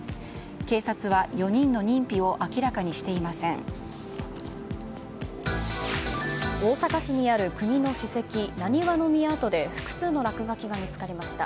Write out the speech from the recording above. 警察は４人の認否を大阪市にある国の史跡難波宮跡で複数の落書きが見つかりました。